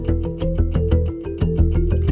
ไม่มีทางที่หรอ